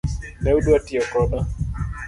Ne udwa tiyo koda.